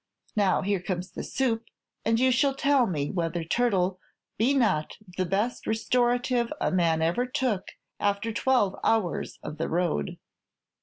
Now, here comes the soup, and you shall tell me whether turtle be not the best restorative a man ever took after twelve hours of the road."